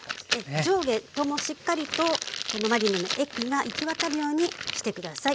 上下ともしっかりとこのマリネの液が行き渡るようにして下さい。